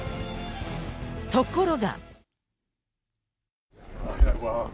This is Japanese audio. ところが。